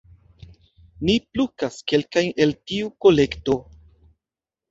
Ni plukas kelkajn el tiu kolekto.